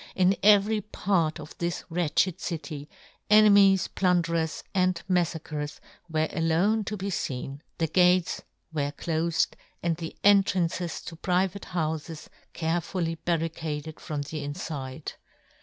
In every part of this wretched city, enemies, plun derers, and mafTacrers, were alone to be feen ; the gates were clofed, and the entrances to private houfes care fully barricaded from the infide.